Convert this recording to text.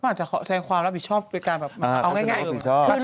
เขาอาจจะแสดงความรับผิดชอบไปกันแบบ